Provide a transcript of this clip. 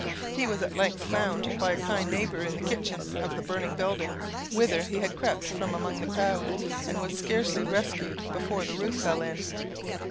He was at length found by a kind neighbour in the kitchen of the burning building, whither he had crept from among the crowd, and was scarcely rescued before the roof fell in.